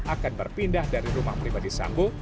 akan berpindah dari rumah pribadi sambo